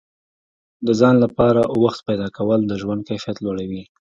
د ځان لپاره وخت پیدا کول د ژوند کیفیت لوړوي.